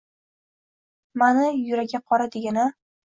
Mani, yuragi qora, degan-a